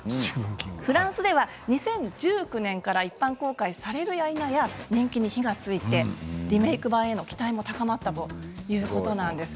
フランスでは、２０１９年から一般公開されるやいなや人気に火がついてリメーク版への期待も高まったということです。